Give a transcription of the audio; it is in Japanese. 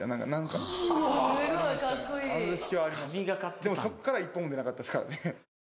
でもそっから１本も出なかったっすからね。